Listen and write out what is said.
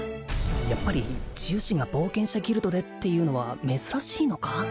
やっぱり治癒士が冒険者ギルドでっていうのは珍しいのか？